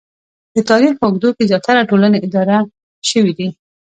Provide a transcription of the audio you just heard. د تاریخ په اوږدو کې زیاتره ټولنې اداره شوې دي